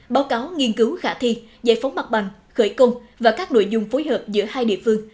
báo cáo nghiên cứu khả thi giải phóng mặt bằng khởi công và các nội dung phối hợp giữa hai địa phương